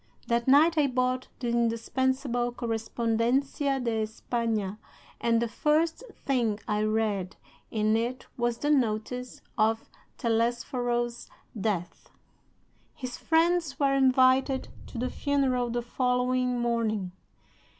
That night I bought the indispensable Correspondencia de Espana, and the first thing I read in it was the notice of Telesforo's death. His friends were invited to the funeral the following morning.